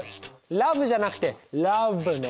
「ラブ」じゃなくて「ラヴ」ね。